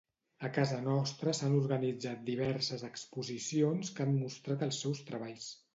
A casa nostra s'han organitzat diverses exposicions que han mostrat els seus treballs.